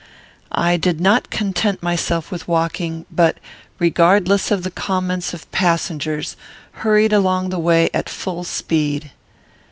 I did not content myself with walking, but, regardless of the comments of passengers, hurried along the way at full speed.